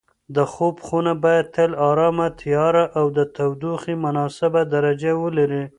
د خوب خونه باید تل ارامه، تیاره او د تودوخې مناسبه درجه ولري.